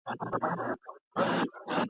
په دوستي په یارانه به هلته اوسو !.